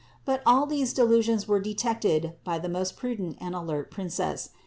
But all these delusions were detected by the most prudent and alert Princess.